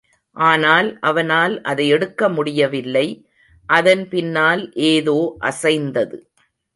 ஆனால் அவனால் அதை எடுக்க முடியவில்லை, அதன் பின்னால் ஏதோ அசைந்தது.